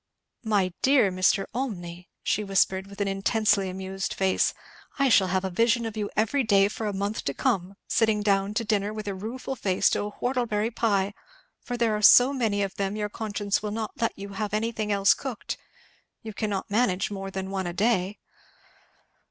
"My dear Mr. Olmney!" she whispered, with an intensely amused face, "I shall have a vision of you every day for a month to come, sitting down to dinner with a rueful face to a whortleberry pie; for there are so many of them your conscience will not let you have anything else cooked you cannot manage more than one a day."